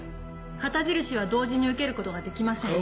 旗印は同時に受けることができません。